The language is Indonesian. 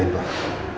see ya bass skirt